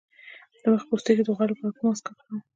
د مخ د پوستکي د غوړ لپاره کوم ماسک وکاروم؟